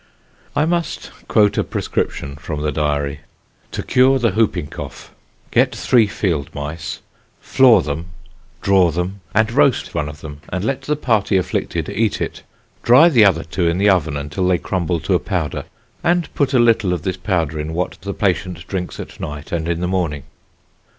I must quote a prescription from the diary: "To cure the hoopingcough: get 3 field mice, flaw them, draw them, and roast one of them, and let the party afflicted eat it; dry the other two in the oven until they crumble to a powder, and put a little of this powder in what the patient drinks at night and in the morning."